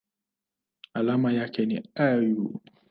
Alama yake ni Au.